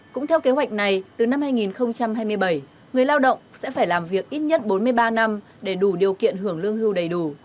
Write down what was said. cũng theo kế hoạch này từ năm hai nghìn hai mươi bảy người lao động sẽ phải làm việc ít nhất bốn mươi ba năm để đủ điều kiện hưởng lương hưu đầy đủ